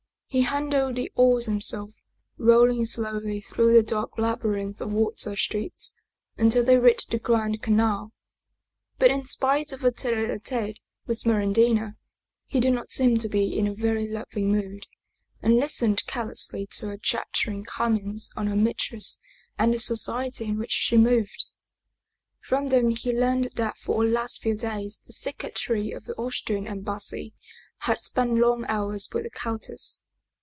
He handled the oars himself, rowing slowly through the dark labyrinth of water streets until they reached the Grand Canal. But in spite of the tete a tete with Smeraldina, he did not seem to be in a very loving mood, and listened carelessly to her chattering comments on her mistress and the society in which she moved. From them he learned that for the last few days the secretary of the Austrian Embassy had spent long hours with the countess.